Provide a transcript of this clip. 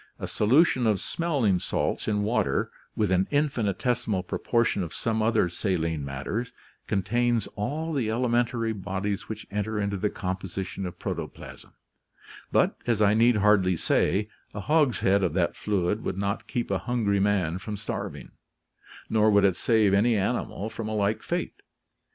A solution of smelling salts in water, with an infinitesimal propor tion of some other saline matters, contains all the elementary bodies which enter into the composition of protoplasm; but, as I need hardly say, a hogshead of that fluid would not keep a hungry man from starving, nor would it save any animal from a like fate.